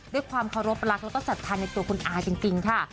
ด้วยความเคารพรักแล้วก็ศรัทธาในตัวคุณอาจริงค่ะ